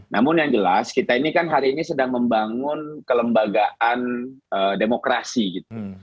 namun yang jelas kita ini kan hari ini sedang membangun kelembagaan demokrasi gitu